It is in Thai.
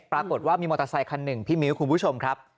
ปรากฏว่ามีมอเตอร์ไซคันหนึ่งพี่มิ้วคุณผู้ชมครับ